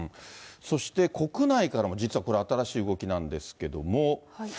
そして国内からも、実はこれ、新しい動きなんですけども。